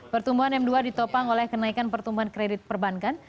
pertumbuhan m dua ditopang oleh kenaikan pertumbuhan kredit perbankan